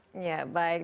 ya baik terima kasih